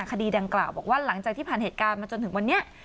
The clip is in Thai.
คดีดังกล่าวบอกว่าหลังจากที่ผ่านเหตุการณ์มาจนถึงวันนี้